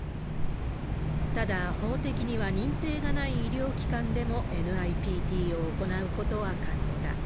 ただ、法的には認定がない医療機関でもＮＩＰＴを行うことは可能だ。